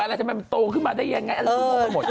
แล้วทุกคนท่ามันหมดครับไอ้เด็กหัวไอ้เด็ก